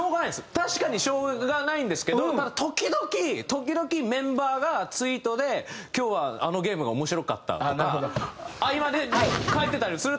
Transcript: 確かにしょうがないんですけどただ時々時々メンバーがツイートで「今日はあのゲームが面白かった」とか合間で書いてたりするとちょっと。